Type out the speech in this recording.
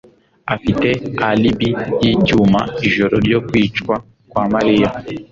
afite alibi yicyuma ijoro ryo kwicwa kwa Mariya.